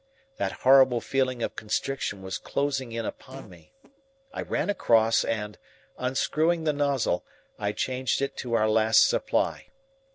That horrible feeling of constriction was closing in upon me. I ran across and, unscrewing the nozzle, I changed it to our last supply.